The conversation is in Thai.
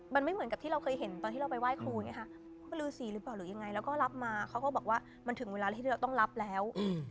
มันไม่เหมือนกับที่เราเคยเห็นตอนที่เราไปไหว้ครูไงคะว่าลือสีหรือเปล่าหรือยังไงแล้วก็รับมาเขาก็บอกว่ามันถึงเวลาที่เราต้องรับแล้ว